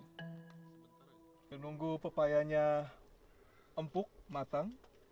kita nunggu pepayanya empuk matang